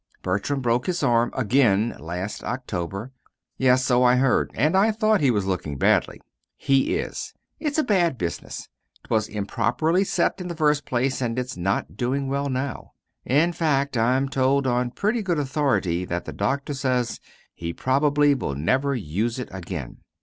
Bertram broke his arm again last October." "Yes, so I hear, and I thought he was looking badly." "He is. It's a bad business. 'Twas improperly set in the first place, and it's not doing well now. In fact, I'm told on pretty good authority that the doctor says he probably will never use it again."